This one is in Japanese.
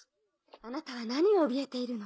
あなたは何をおびえているの？